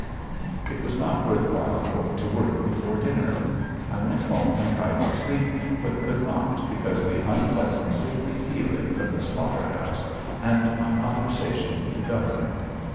It was not worth while going to work before dinner. I went home and tried to sleep, but could not because of the unpleasant, sickly feeling from the slaughter house and my conversation with the governor.